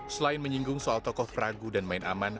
selain menyinggung soal tokoh peragu dan main aman